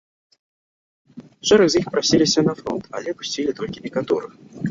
Шэраг з іх прасіліся на фронт, але адпусцілі толькі некаторых.